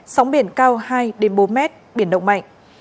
sóng biển cao hai bốn mét biển động mạnh